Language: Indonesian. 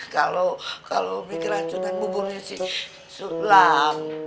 kalau mikir racunan buburnya si sulam